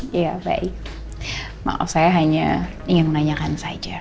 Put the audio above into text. ya baik maaf saya hanya ingin menanyakan saja